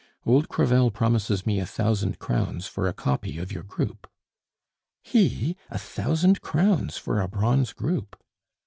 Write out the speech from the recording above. "Old Crevel promises me a thousand crowns for a copy of your group." "He! a thousand crowns for a bronze group?"